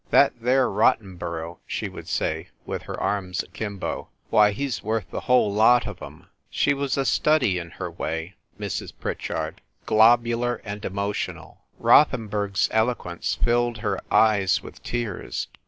" That there Rottenborough," she would say, with her arms akimbo, " why he's worth the whole lot of 'em." She was a study in her way, Mrs. Pritchard — globular and emotional. Rothenburg's eloquence filled her eyes with tears.